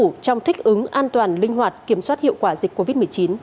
chủ trong thích ứng an toàn linh hoạt kiểm soát hiệu quả dịch covid một mươi chín